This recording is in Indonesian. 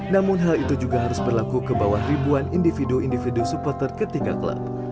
namun hal itu juga harus berlaku ke bawah ribuan individu individu supporter ketiga klub